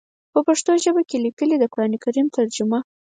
پۀ پښتو ژبه کښې ليکلی د قران کريم ترجمه